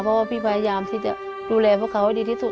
เพราะว่าพี่พยายามที่จะดูแลพวกเขาให้ดีที่สุด